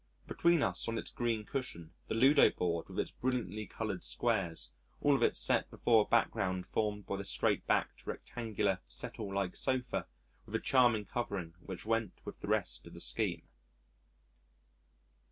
Between us, on its green cushion the Ludo board with its brilliantly coloured squares: all of it set before a background formed by the straight backed, rectangular, settle like sofa, with a charming covering which went with the rest of the scheme.